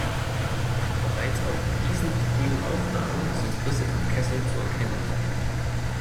Bereits auf diesen frühen Aufnahmen sind Risse im Kessel zu erkennen.